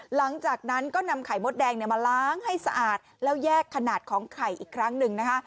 หลังจากนั้นก็นำไข่มดแดงมาล้างให้สะอาดแล้วแยกขนาดของไข่อีกครั้งหนึ่งนะคะ